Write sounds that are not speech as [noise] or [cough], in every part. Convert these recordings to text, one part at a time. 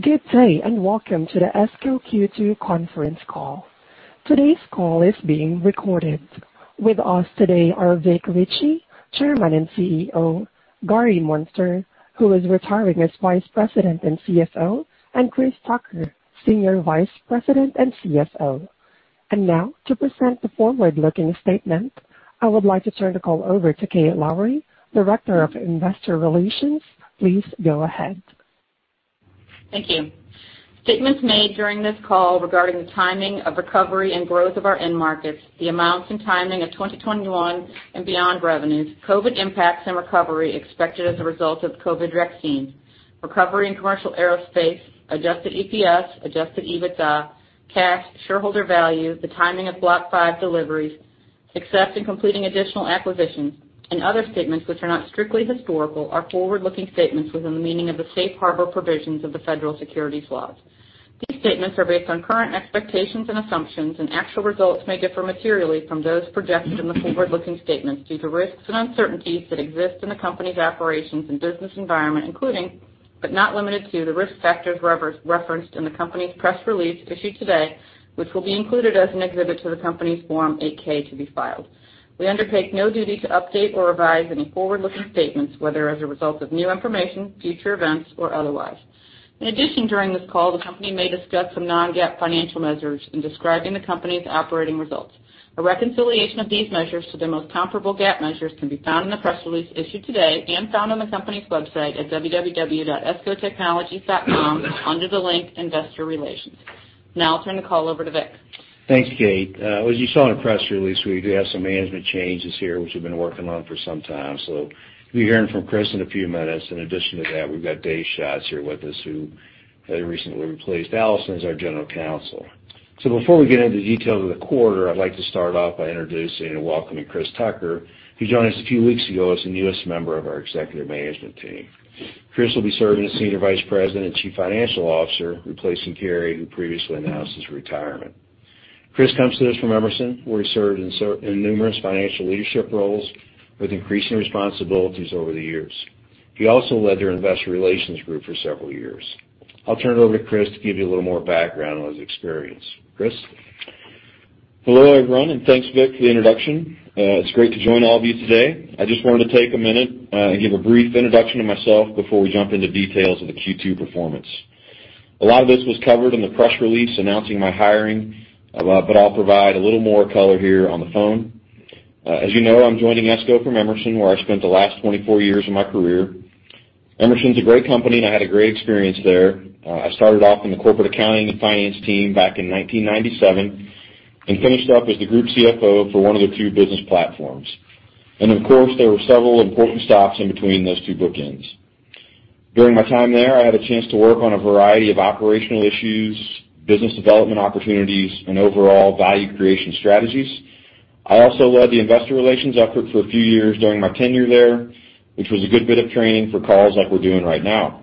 Good day and welcome to the ESCO Q2 conference call. Today's call is being recorded. With us today are Vic Richey, Chairman and CEO, Gary Muenster, who is retiring as Vice President and CFO, and Chris Tucker, Senior Vice President and CFO. And now, to present the forward-looking statement, I would like to turn the call over to Kate Lowrey, Director of Investor Relations. Please go ahead. Thank you. Statements made during this call regarding the timing of recovery and growth of our end markets, the amounts and timing of 2021 and beyond revenues, COVID impacts and recovery expected as a result of the COVID vaccine, recovery in commercial aerospace, adjusted EPS, adjusted EBITDA, cash, shareholder value, the timing of Block V deliveries, success in completing additional acquisitions, and other statements which are not strictly historical are forward-looking statements within the meaning of the safe harbor provisions of the Federal Securities Laws. These statements are based on current expectations and assumptions, and actual results may differ materially from those projected in the forward-looking statements due to risks and uncertainties that exist in the company's operations and business environment, including but not limited to the risk factors referenced in the company's press release issued today, which will be included as an exhibit to the company's Form 8-K to be filed. We undertake no duty to update or revise any forward-looking statements, whether as a result of new information, future events, or otherwise. In addition, during this call, the company may discuss some non-GAAP financial measures in describing the company's operating results. A reconciliation of these measures to the most comparable GAAP measures can be found in the press release issued today and found on the company's website at www.escotechnologies.com under the link Investor Relations. Now I'll turn the call over to Vic. Thanks, Kate. As you saw in the press release, we do have some management changes here which we've been working on for some time. So you'll be hearing from Chris in a few minutes. In addition to that, we've got David Schatz here with us who recently replaced Alyson as our General Counsel. So before we get into the details of the quarter, I'd like to start off by introducing and welcoming Chris Tucker, who joined us a few weeks ago as a newest member of our executive management team. Chris will be serving as Senior Vice President and Chief Financial Officer, replacing Gary, who previously announced his retirement. Chris comes to us from Emerson, where he served in numerous financial leadership roles with increasing responsibilities over the years. He also led their Investor Relations Group for several years. I'll turn it over to Chris to give you a little more background on his experience. Chris? Hello everyone, and thanks, Vic, for the introduction. It's great to join all of you today. I just wanted to take a minute and give a brief introduction of myself before we jump into details of the Q2 performance. A lot of this was covered in the press release announcing my hiring, but I'll provide a little more color here on the phone. As you know, I'm joining ESCO from Emerson, where I spent the last 24 years of my career. Emerson's a great company, and I had a great experience there. I started off in the corporate accounting and finance team back in 1997 and finished up as the Group CFO for one of their two business platforms. And of course, there were several important stops in between those two bookends. During my time there, I had a chance to work on a variety of operational issues, business development opportunities, and overall value creation strategies. I also led the investor relations effort for a few years during my tenure there, which was a good bit of training for calls like we're doing right now.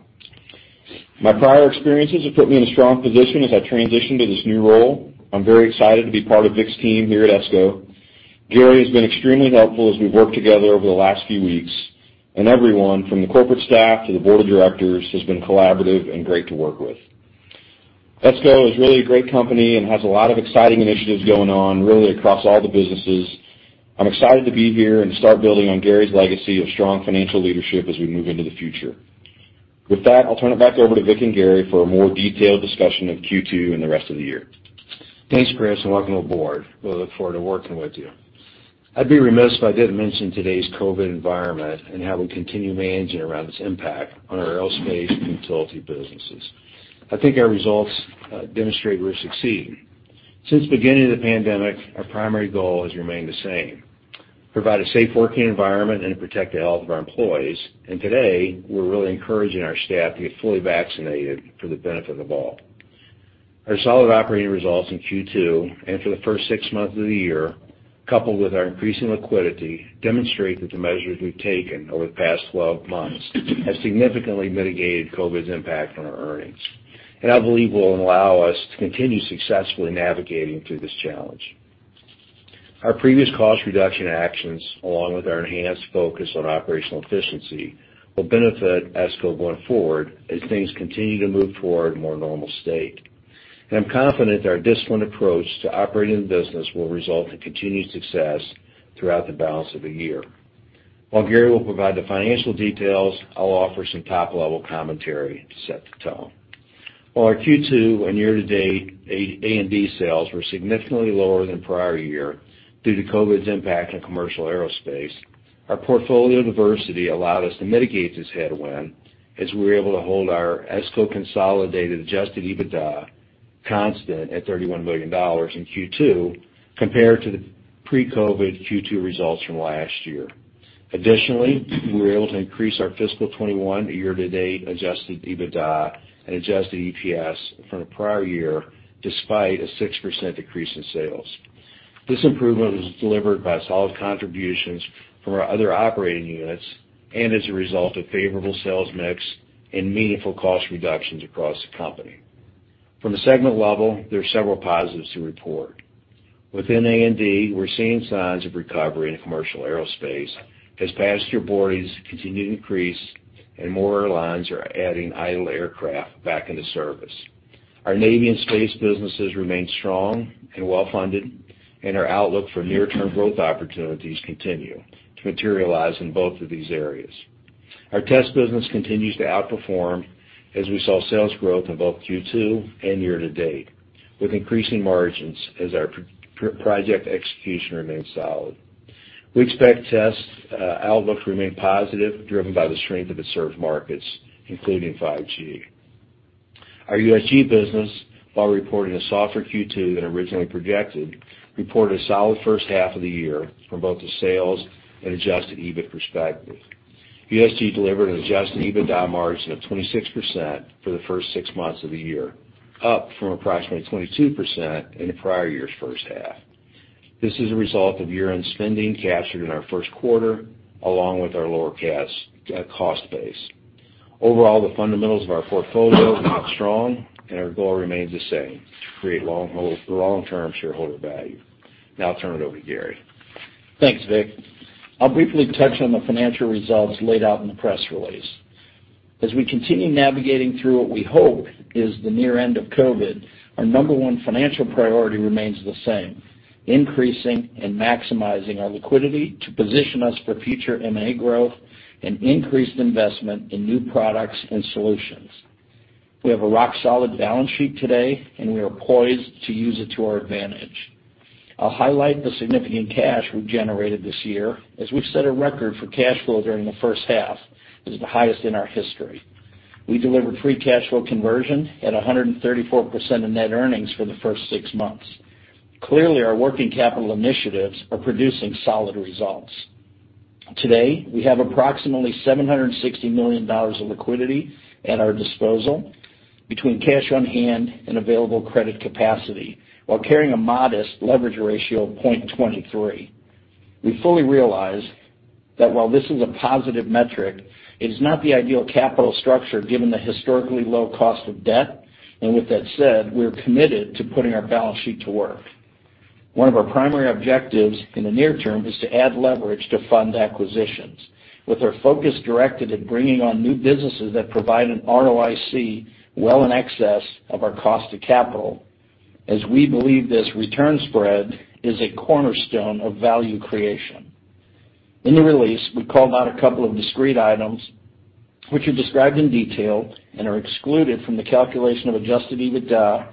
My prior experiences have put me in a strong position as I transition to this new role. I'm very excited to be part of Vic's team here at ESCO. Gary has been extremely helpful as we've worked together over the last few weeks, and everyone, from the corporate staff to the board of directors, has been collaborative and great to work with. ESCO is really a great company and has a lot of exciting initiatives going on really across all the businesses. I'm excited to be here and start building on Gary's legacy of strong financial leadership as we move into the future. With that, I'll turn it back over to Vic and Gary for a more detailed discussion of Q2 and the rest of the year. Thanks, Chris, and welcome aboard. We look forward to working with you. I'd be remiss if I didn't mention today's COVID environment and how we continue managing around its impact on our aerospace and utility businesses. I think our results demonstrate we're succeeding. Since the beginning of the pandemic, our primary goal has remained the same: provide a safe working environment and protect the health of our employees. And today, we're really encouraging our staff to get fully vaccinated for the benefit of all. Our solid operating results in Q2 and for the first six months of the year, coupled with our increasing liquidity, demonstrate that the measures we've taken over the past 12 months have significantly mitigated COVID's impact on our earnings, and I believe will allow us to continue successfully navigating through this challenge. Our previous cost reduction actions, along with our enhanced focus on operational efficiency, will benefit ESCO going forward as things continue to move toward a more normal state. I'm confident our disciplined approach to operating the business will result in continued success throughout the balance of the year. While Gary will provide the financial details, I'll offer some top-level commentary to set the tone. While our Q2 and year-to-date A&D sales were significantly lower than prior year due to COVID's impact on commercial aerospace, our portfolio diversity allowed us to mitigate this headwind as we were able to hold our ESCO consolidated Adjusted EBITDA constant at $31 million in Q2 compared to the pre-COVID Q2 results from last year. Additionally, we were able to increase our fiscal 2021 year-to-date Adjusted EBITDA and Adjusted EPS from a prior year despite a 6% decrease in sales. This improvement was delivered by solid contributions from our other operating units and as a result of favorable sales mix and meaningful cost reductions across the company. From the segment level, there are several positives to report. Within A&D, we're seeing signs of recovery in commercial aerospace as passenger boardings continue to increase and more airlines are adding idle aircraft back into service. Our Navy and Space businesses remain strong and well-funded, and our outlook for near-term growth opportunities continue to materialize in both of these areas. Our Test business continues to outperform as we saw sales growth in both Q2 and year-to-date, with increasing margins as our project execution remains solid. We expect Test outlooks to remain positive, driven by the strength of its served markets, including 5G. Our USG business, while reporting a softer Q2 than originally projected, reported a solid first half of the year from both the sales and adjusted EBIT perspective. USG delivered an adjusted EBITDA margin of 26% for the first six months of the year, up from approximately 22% in the prior year's first half. This is a result of year-end spending captured in our first quarter, along with our lower cost base. Overall, the fundamentals of our portfolio remain strong, and our goal remains the same: to create long-term shareholder value. Now I'll turn it over to Gary. Thanks, Vic. I'll briefly touch on the financial results laid out in the press release. As we continue navigating through what we hope is the near end of COVID, our number one financial priority remains the same: increasing and maximizing our liquidity to position us for future M&A growth and increased investment in new products and solutions. We have a rock-solid balance sheet today, and we are poised to use it to our advantage. I'll highlight the significant cash we've generated this year, as we've set a record for cash flow during the first half, which is the highest in our history. We delivered free cash flow conversion at 134% of net earnings for the first six months. Clearly, our working capital initiatives are producing solid results. Today, we have approximately $760 million of liquidity at our disposal between cash on hand and available credit capacity, while carrying a modest leverage ratio of 0.23. We fully realize that while this is a positive metric, it is not the ideal capital structure given the historically low cost of debt. With that said, we are committed to putting our balance sheet to work. One of our primary objectives in the near term is to add leverage to fund acquisitions, with our focus directed at bringing on new businesses that provide an ROIC well in excess of our cost of capital, as we believe this return spread is a cornerstone of value creation. In the release, we called out a couple of discrete items, which are described in detail and are excluded from the calculation of Adjusted EBITDA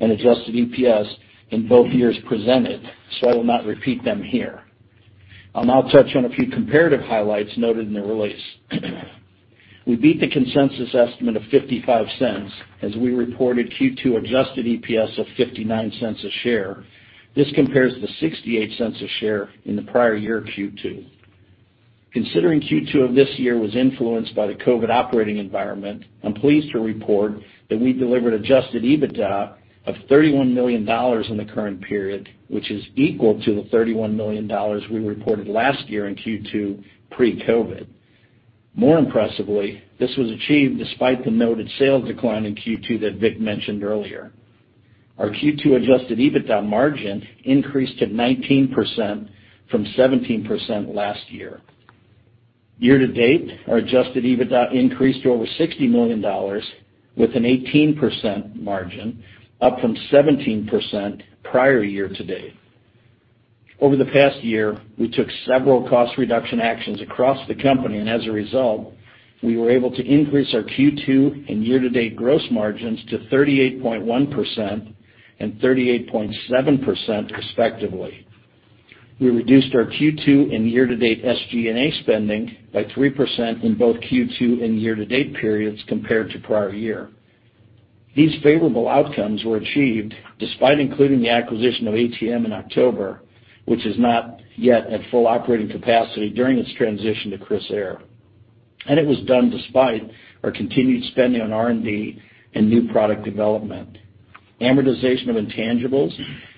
and Adjusted EPS in both years presented, so I will not repeat them here. I'll now touch on a few comparative highlights noted in the release. We beat the consensus estimate of $0.55 as we reported Q2 Adjusted EPS of $0.59 a share. This compares to $0.68 a share in the prior year Q2. Considering Q2 of this year was influenced by the COVID operating environment, I'm pleased to report that we delivered Adjusted EBITDA of $31 million in the current period, which is equal to the $31 million we reported last year in Q2 pre-COVID. More impressively, this was achieved despite the noted sales decline in Q2 that Vic mentioned earlier. Our Q2 adjusted EBITDA margin increased to 19% from 17% last year. Year-to-date, our adjusted EBITDA increased to over $60 million with an 18% margin, up from 17% prior year-to-date. Over the past year, we took several cost reduction actions across the company, and as a result, we were able to increase our Q2 and year-to-date gross margins to 38.1% and 38.7%, respectively. We reduced our Q2 and year-to-date SG&A spending by 3% in both Q2 and year-to-date periods compared to prior year. These favorable outcomes were achieved despite including the acquisition of ATM in October, which is not yet at full operating capacity during its transition to Chris' era. It was done despite our continued spending on R&D and new product development. Amortization of intangibles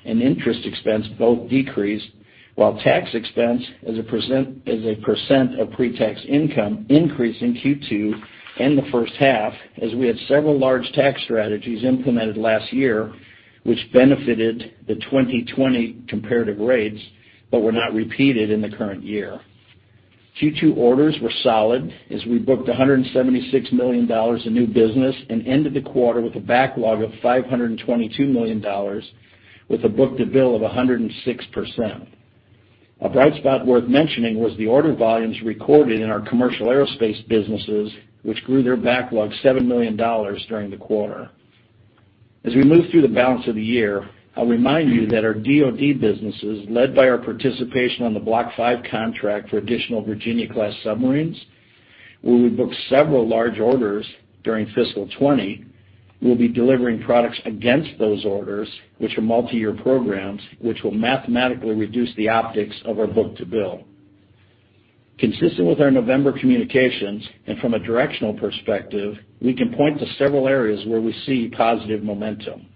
and interest expense both decreased, while tax expense as a percent of pre-tax income increased in Q2 and the first half as we had several large tax strategies implemented last year, which benefited the 2020 comparative rates but were not repeated in the current year. Q2 orders were solid as we booked $176 million in new business and ended the quarter with a backlog of $522 million with a book-to-bill of 106%. A bright spot worth mentioning was the order volumes recorded in our commercial aerospace businesses, which grew their backlog $7 million during the quarter. As we move through the balance of the year, I'll remind you that our DoD businesses, led by our participation on the Block 5 contract for additional Virginia-class submarines, where we booked several large orders during fiscal 2020, will be delivering products against those orders, which are multi-year programs, which will mathematically reduce the optics of our book-to-bill. Consistent with our November communications and from a directional perspective, we can point to several areas where we see positive momentum.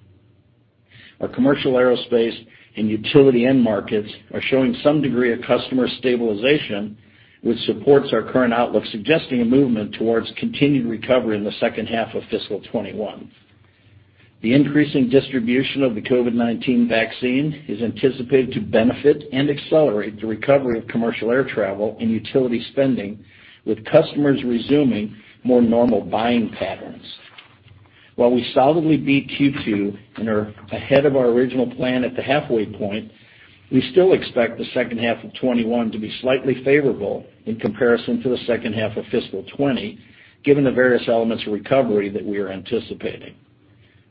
Our commercial aerospace and utility end markets are showing some degree of customer stabilization, which supports our current outlook, suggesting a movement towards continued recovery in the second half of fiscal 2021. The increasing distribution of the COVID-19 vaccine is anticipated to benefit and accelerate the recovery of commercial air travel and utility spending, with customers resuming more normal buying patterns. While we solidly beat Q2 and are ahead of our original plan at the halfway point, we still expect the second half of 2021 to be slightly favorable in comparison to the second half of fiscal 2020, given the various elements of recovery that we are anticipating.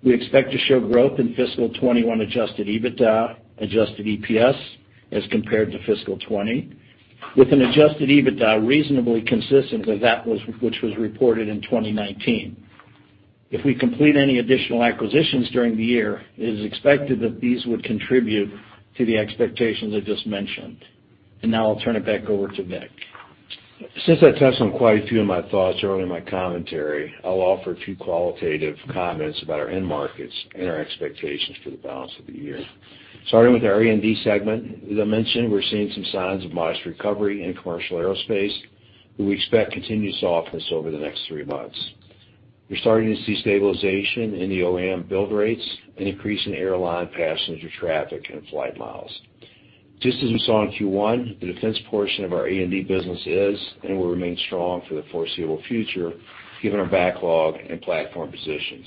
We expect to show growth in fiscal 2021 Adjusted EBITDA, Adjusted EPS, as compared to fiscal 2020, with an Adjusted EBITDA reasonably consistent with that which was reported in 2019. If we complete any additional acquisitions during the year, it is expected that these would contribute to the expectations I just mentioned. Now I'll turn it back over to Vic. Since I touched on quite a few of my thoughts earlier in my commentary, I'll offer a few qualitative comments about our end markets and our expectations for the balance of the year. Starting with our A&D segment, as I mentioned, we're seeing some signs of modest recovery in commercial aerospace, but we expect continued softness over the next three months. We're starting to see stabilization in the OEM build rates and increase in airline passenger traffic and flight miles. Just as we saw in Q1, the defense portion of our A&D business is and will remain strong for the foreseeable future, given our backlog and platform positions.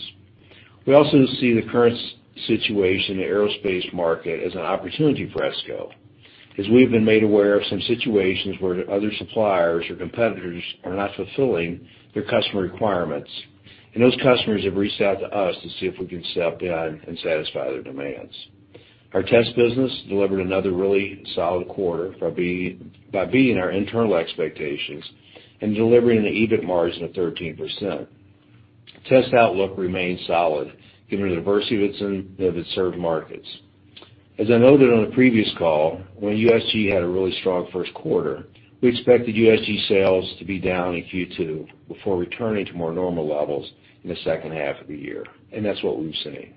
We also see the current situation in the aerospace market as an opportunity for ESCO, as we've been made aware of some situations where other suppliers or competitors are not fulfilling their customer requirements, and those customers have reached out to us to see if we can step in and satisfy their demands. Our test business delivered another really solid quarter by beating our internal expectations and delivering an EBIT margin of 13%. Test outlook remains solid, given the diversity of its served markets. As I noted on a previous call, when USG had a really strong first quarter, we expected USG sales to be down in Q2 before returning to more normal levels in the second half of the year, and that's what we've seen.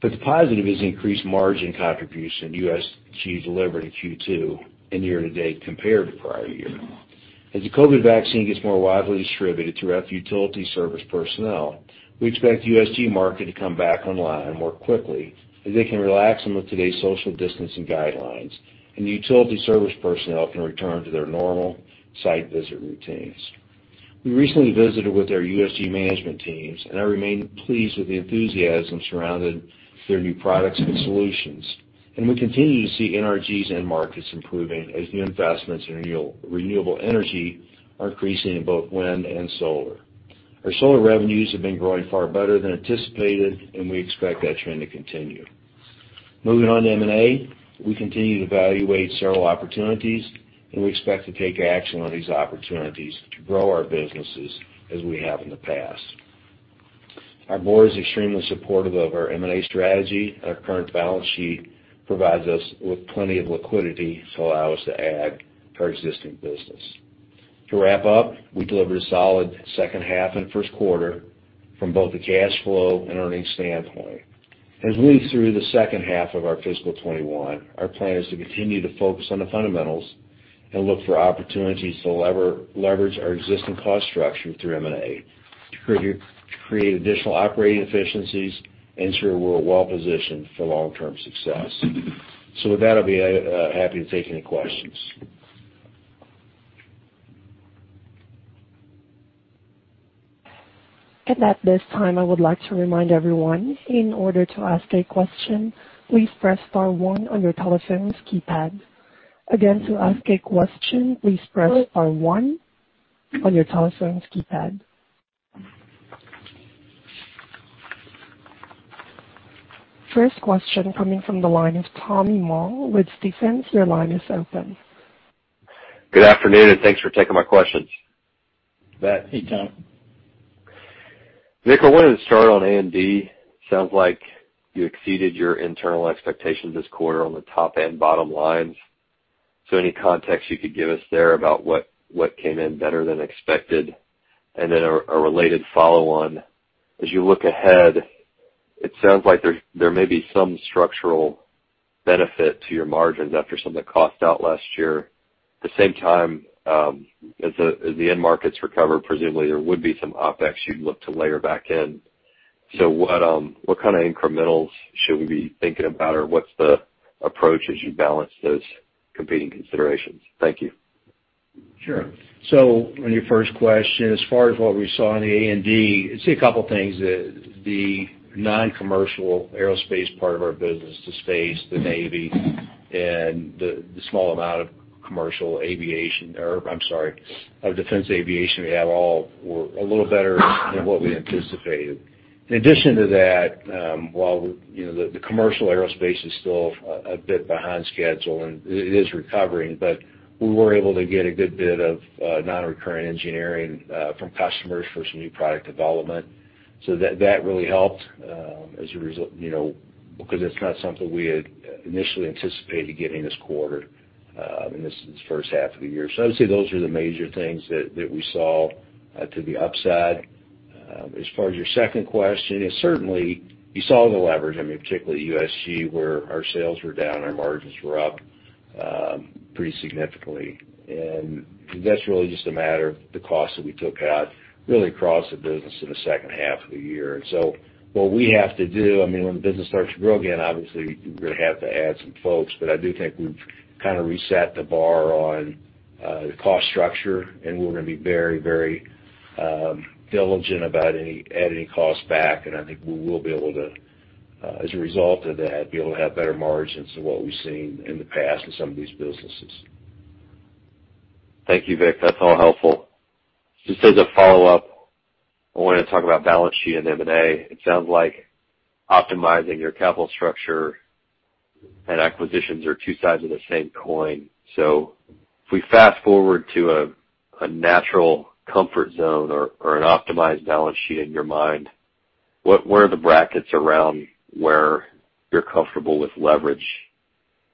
But the positive is increased margin contribution USG delivered in Q2 and year-to-date compared to prior year. As the COVID vaccine gets more widely distributed throughout the utility service personnel, we expect the USG market to come back online more quickly as they can relax some of today's social distancing guidelines, and the utility service personnel can return to their normal site-visit routines. We recently visited with our USG management teams, and I remain pleased with the enthusiasm surrounding their new products and solutions. We continue to see NRG's end markets improving as new investments in renewable energy are increasing in both wind and solar. Our solar revenues have been growing far better than anticipated, and we expect that trend to continue. Moving on to M&A, we continue to evaluate several opportunities, and we expect to take action on these opportunities to grow our businesses as we have in the past. Our board is extremely supportive of our M&A strategy, and our current balance sheet provides us with plenty of liquidity to allow us to add to our existing business. To wrap up, we delivered a solid second half and first quarter from both a cash flow and earnings standpoint. As we move through the second half of our fiscal 2021, our plan is to continue to focus on the fundamentals and look for opportunities to leverage our existing cost structure through M&A to create additional operating efficiencies and ensure we're well-positioned for long-term success. With that, I'll be happy to take any questions. At this time, I would like to remind everyone, in order to ask a question, "please press star one" on your telephone's keypad. Again, to ask a question, "please press star one" on your telephone's keypad. First question coming from the line of Tom Moll with Stephens. Your line is open. Good afternoon, and thanks for taking my questions. [audio distortion] Hey Tom. Vic, I wanted to start on A&D. Sounds like you exceeded your internal expectations this quarter on the top and bottom lines. Any context you could give us there about what came in better than expected? Then a related follow-on. As you look ahead, it sounds like there may be some structural benefit to your margins after some of the cost out last year. At the same time, as the end markets recover, presumably there would be some OpEx you'd look to layer back in. What kind of incrementals should we be thinking about, or what's the approach as you balance those competing considerations? Thank you. Sure. So on your first question, as far as what we saw in the A&D, I see a couple of things. The non-commercial aerospace part of our business, the space, the Navy, and the small amount of commercial aviation or I'm sorry, of defense aviation we have all were a little better than what we anticipated. In addition to that, while the commercial aerospace is still a bit behind schedule and it is recovering, but we were able to get a good bit of non-recurrent engineering from customers for some new product development. So that really helped as a result because it's not something we had initially anticipated getting this quarter and this first half of the year. So I would say those are the major things that we saw to the upside. As far as your second question, certainly, you saw the leverage. I mean, particularly USG, where our sales were down, our margins were up pretty significantly. And that's really just a matter of the cost that we took out really across the business in the second half of the year. And so what we have to do I mean, when the business starts to grow again, obviously, we're going to have to add some folks. But I do think we've kind of reset the bar on the cost structure, and we're going to be very, very diligent about adding any cost back. And I think we will be able to, as a result of that, be able to have better margins than what we've seen in the past in some of these businesses. Thank you, Vic. That's all helpful. Just as a follow-up, I wanted to talk about balance sheet and M&A. It sounds like optimizing your capital structure and acquisitions are two sides of the same coin. So if we fast-forward to a natural comfort zone or an optimized balance sheet in your mind, where are the brackets around where you're comfortable with leverage?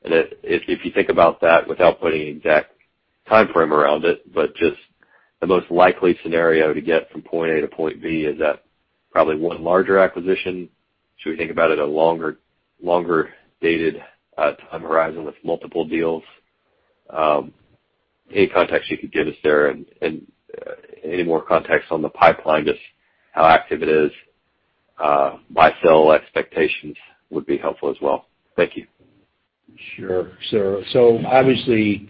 And if you think about that without putting an exact time frame around it, but just the most likely scenario to get from point A to point B, is that probably one larger acquisition? Should we think about it a longer-dated time horizon with multiple deals? Any context you could give us there, and any more context on the pipeline, just how active it is. Buy-sell expectations would be helpful as well. Thank you. Sure. So obviously,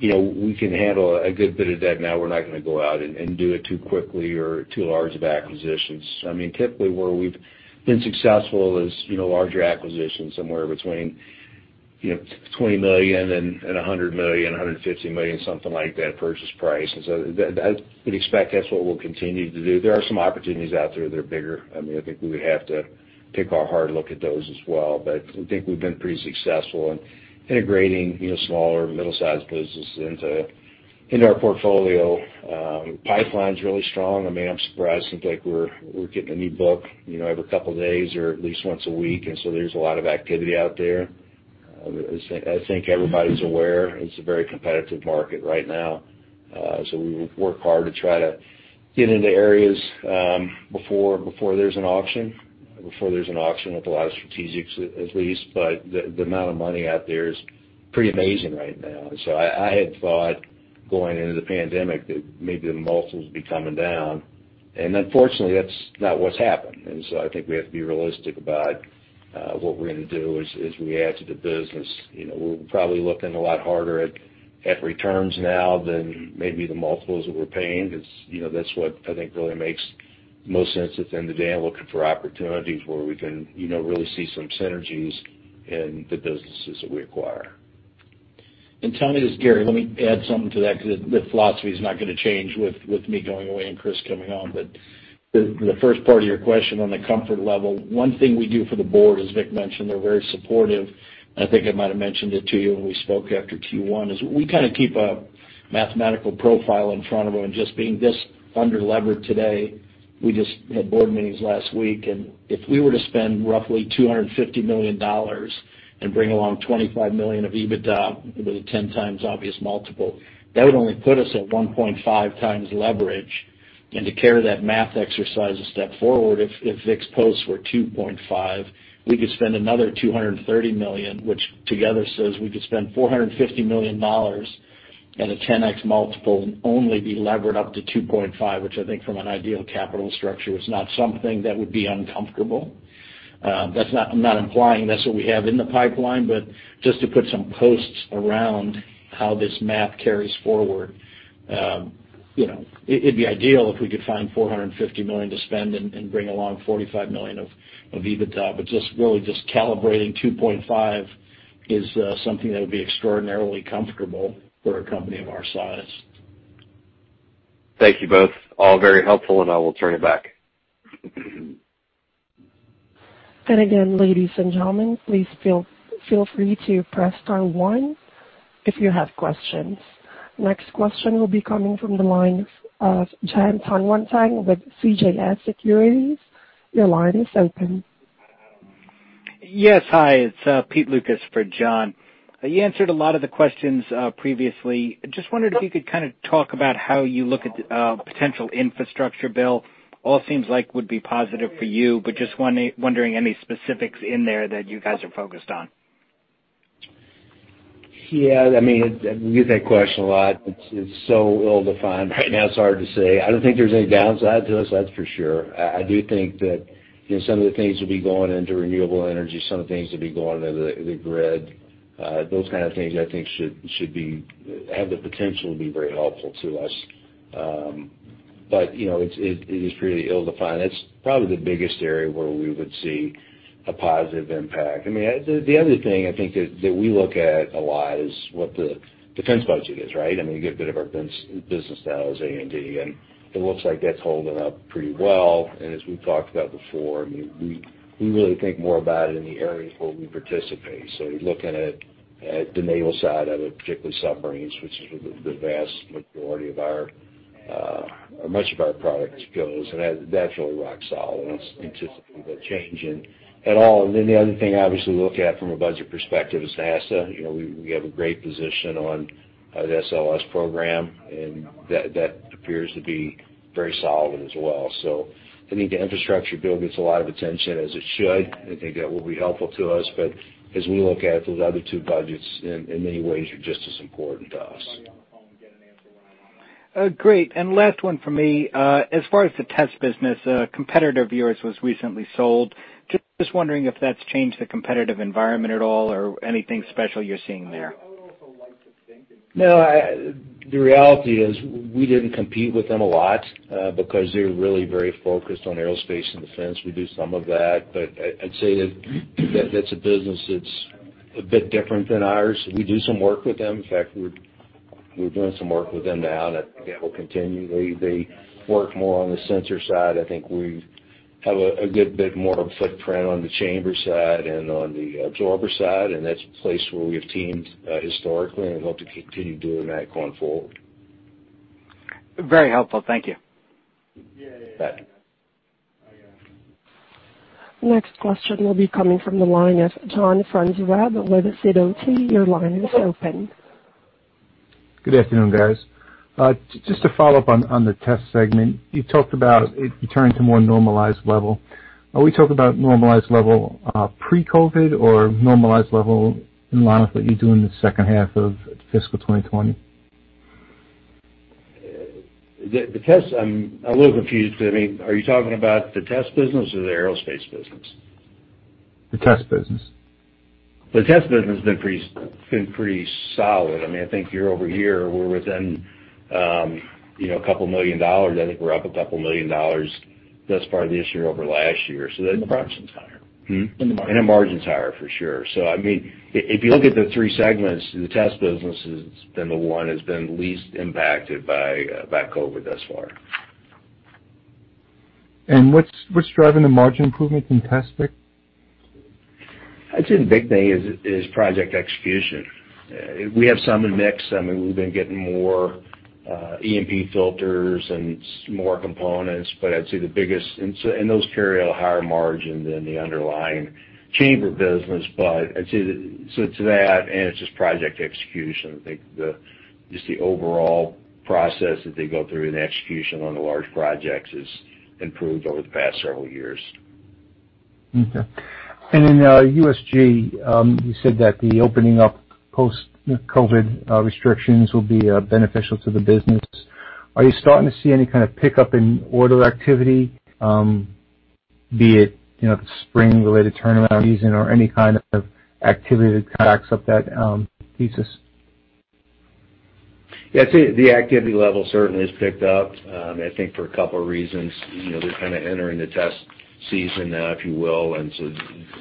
we can handle a good bit of that now. We're not going to go out and do it too quickly or too large of acquisitions. I mean, typically, where we've been successful is larger acquisitions somewhere between $20 million and $100 million, $150 million, something like that purchase price. And so we'd expect that's what we'll continue to do. There are some opportunities out there that are bigger. I mean, I think we would have to pick our hard look at those as well. But I think we've been pretty successful in integrating smaller, middle-sized businesses into our portfolio. Pipeline's really strong. I mean, I'm surprised. Seems like we're getting a new book every couple of days or at least once a week. And so there's a lot of activity out there. I think everybody's aware. It's a very competitive market right now. So we work hard to try to get into areas before there's an auction, before there's an auction with a lot of strategics, at least. But the amount of money out there is pretty amazing right now. And so I had thought going into the pandemic that maybe the multiples would be coming down. And unfortunately, that's not what's happened. And so I think we have to be realistic about what we're going to do as we add to the business. We'll probably look in a lot harder at returns now than maybe the multiples that we're paying because that's what I think really makes the most sense at the end of the day. I'm looking for opportunities where we can really see some synergies in the businesses that we acquire. And tell me this, Gary. Let me add something to that because the philosophy is not going to change with me going away and Chris coming on. But the first part of your question on the comfort level, one thing we do for the board, as Vic mentioned, they're very supportive. And I think I might have mentioned it to you when we spoke after Q1, is we kind of keep a mathematical profile in front of them. And just being this under-leveraged today, we just had board meetings last week. And if we were to spend roughly $250 million and bring along 25 million of EBITDA, it would be a 10x EBITDA multiple. That would only put us at 1.5x leverage. To carry that math exercise a step forward, if Vic's posts were 2.5, we could spend another $230 million, which together says we could spend $450 million at a 10x multiple and only be levered up to 2.5, which I think from an ideal capital structure is not something that would be uncomfortable. I'm not implying that's what we have in the pipeline, but just to put some posts around how this math carries forward, it'd be ideal if we could find $450 million to spend and bring along $45 million of EBITDA. But really, just calibrating 2.5 is something that would be extraordinarily comfortable for a company of our size. Thank you both. All very helpful, and I will turn it back. And again, ladies and gentlemen, please feel free to "press star one" if you have questions. Next question will be coming from the line of Jon Tanwanteng with CJS Securities. Your line is open. Yes. Hi. It's Pete Lucas for John. You answered a lot of the questions previously. Just wondered if you could kind of talk about how you look at potential infrastructure bill? All seems like would be positive for you, but just wondering any specifics in there that you guys are focused on? Yeah. I mean, we get that question a lot. It's so ill-defined right now, it's hard to say. I don't think there's any downside to us, that's for sure. I do think that some of the things will be going into renewable energy, some of the things will be going into the grid. Those kind of things, I think, should have the potential to be very helpful to us. But it is pretty ill-defined. It's probably the biggest area where we would see a positive impact. I mean, the other thing I think that we look at a lot is what the defense budget is, right? I mean, a good bit of our business style is A&D, and it looks like that's holding up pretty well. And as we've talked about before, I mean, we really think more about it in the areas where we participate. So we're looking at the naval side of it, particularly submarines, which is where the vast majority of our or much of our product goes. And that's really rock solid. And I don't anticipate that changing at all. And then the other thing, obviously, we look at from a budget perspective is NASA. We have a great position on the SLS program, and that appears to be very solid as well. So I think the infrastructure bill gets a lot of attention as it should. I think that will be helpful to us. But as we look at it, those other two budgets, in many ways, are just as important to us. Great. Last one from me. As far as the test business, a competitor of yours was recently sold. Just wondering if that's changed the competitive environment at all or anything special you're seeing there. No. The reality is we didn't compete with them a lot because they're really very focused on aerospace and defense. We do some of that. But I'd say that that's a business that's a bit different than ours. We do some work with them. In fact, we're doing some work with them now, and that will continue. They work more on the sensor side. I think we have a good bit more of a footprint on the chamber side and on the absorber side. And that's a place where we have teamed historically, and we hope to continue doing that going forward. Very helpful. Thank you. Bye. Next question will be coming from the line of John Franzreb with Sidoti. Your line is open. Good afternoon, guys. Just to follow up on the test segment, you talked about it turning to more normalized level. Are we talking about normalized level pre-COVID or normalized level in line with what you're doing in the second half of fiscal 2020? I'm a little confused because, I mean, are you talking about the test business or the aerospace business? The test business. The test business has been pretty solid. I mean, I think year-over-year, we're within $2 million. I think we're up $2 million thus far this year over last year. So the margin's higher. And the margin's higher, for sure. So I mean, if you look at the three segments, the test business has been the one that's been least impacted by COVID thus far. What's driving the margin improvement in test, Vic? I'd say the big thing is project execution. We have some in the mix. I mean, we've been getting more EMP filters and more components. But I'd say the biggest and those carry a higher margin than the underlying chamber business. So it's that, and it's just project execution. I think just the overall process that they go through in the execution on the large projects has improved over the past several years. Okay. In USG, you said that the opening up post-COVID restrictions will be beneficial to the business. Are you starting to see any kind of pickup in order activity, be it the spring-related turnaround season or any kind of activity that backs up that thesis? Yeah. I'd say the activity level certainly has picked up, I think, for a couple of reasons. They're kind of entering the test season now, if you will, and so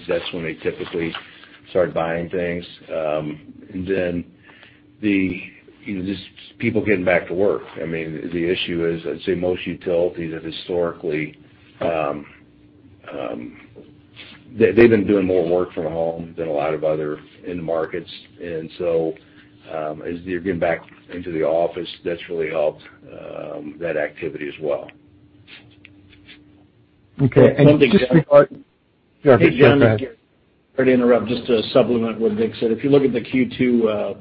that's when they typically start buying things. And then just people getting back to work. I mean, the issue is, I'd say, most utilities have historically been doing more work from home than a lot of other end markets. And so as they're getting back into the office, that's really helped that activity as well. Okay. And just regarding. [crosstalk] Go ahead Sorry to interrupt. Just to supplement what Vic said. If you look at the Q2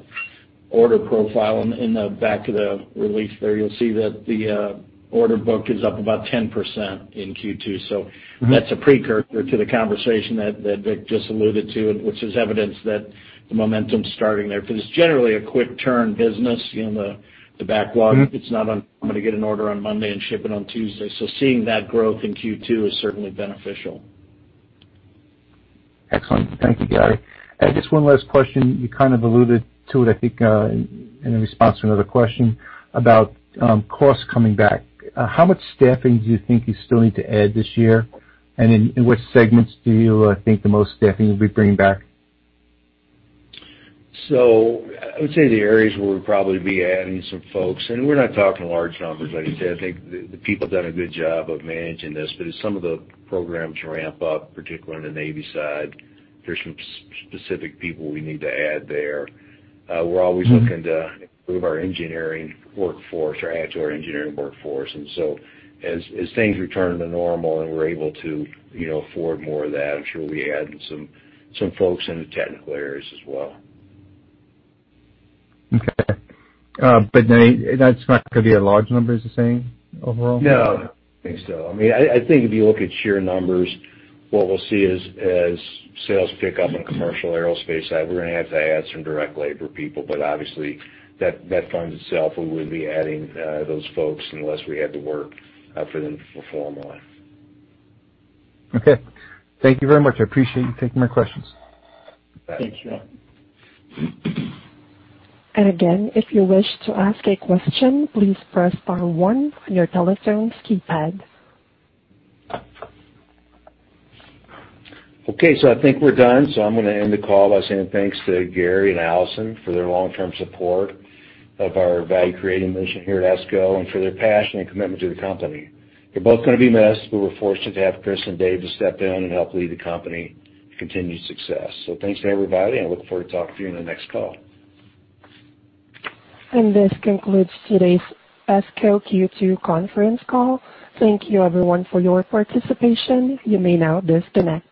order profile in the back of the release there, you'll see that the order book is up about 10% in Q2. So that's a precursor to the conversation that Vic just alluded to, which is evidence that the momentum's starting there. Because it's generally a quick-turn business. The backlog, it's not uncommon to get an order on Monday and ship it on Tuesday. So seeing that growth in Q2 is certainly beneficial. Excellent. Thank you, Gary. And just one last question. You kind of alluded to it, I think, in response to another question about costs coming back. How much staffing do you think you still need to add this year, and in which segments do you think the most staffing will be bringing back? So I would say the areas where we'd probably be adding some folks and we're not talking large numbers, like I said. I think the people have done a good job of managing this, but as some of the programs ramp up, particularly on the Navy side, there's some specific people we need to add there. We're always looking to improve our engineering workforce or add to our engineering workforce. And so as things return to normal and we're able to afford more of that, I'm sure we'll be adding some folks in the technical areas as well. Okay. But that's not going to be a large number, you're saying, overall? No. I don't think so. I mean, I think if you look at sheer numbers, what we'll see as sales pick up on the commercial aerospace side, we're going to have to add some direct labor people. But obviously, that funds itself. We wouldn't be adding those folks unless we had to work for them formally. Okay. Thank you very much. I appreciate you taking my questions. Thanks, John. And again, if you wish to ask a question, "please press star one" on your telephone's keypad. Okay. So I think we're done. So I'm going to end the call by saying thanks to Gary and Allison for their long-term support of our value-creating mission here at ESCO and for their passion and commitment to the company. They're both going to be missed, but we're fortunate to have Chris and Dave to step in and help lead the company to continued success. So thanks to everybody, and I look forward to talking to you in the next call. This concludes today's ESCO Q2 conference call. Thank you, everyone, for your participation. You may now disconnect.